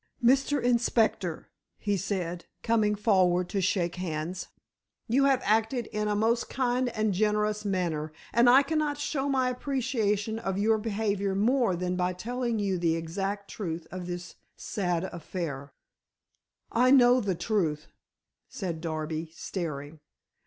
"Mr. Inspector," he said, coming forward to shake hands, "you have acted in a most kind and generous manner and I cannot show my appreciation of your behavior more than by telling you the exact truth of this sad affair." "I know the truth," said Darby staring.